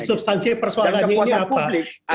substansi persoalannya ini apa